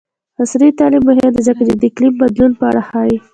عصري تعلیم مهم دی ځکه چې د اقلیم بدلون په اړه ښيي.